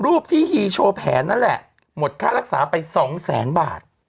รูปที่ฮีโชว์แผนนั่นแหละหมดค่ารักษาไปสองแสนบาท